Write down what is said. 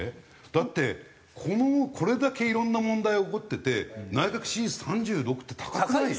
だってこのこれだけいろんな問題が起こってて内閣支持率３６って高くない？